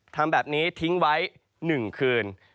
ทำแบบนี้ทิ้งไว้๑คืน